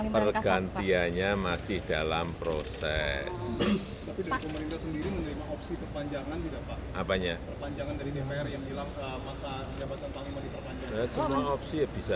pergantiannya masih dalam proses